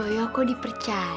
si ijo kok dipercaya